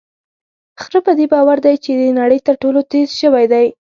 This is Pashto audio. خره په دې باور دی چې د نړۍ تر ټولو تېز ژوی دی.